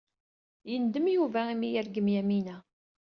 Yendem Yuba imi ay yergem Yamina.